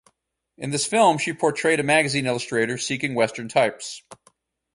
In this film she portrayed a magazine illustrator seeking western types.